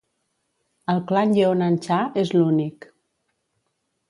El clan Yeonan Cha és l'únic.